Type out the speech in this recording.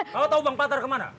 kau tau bang patar kemana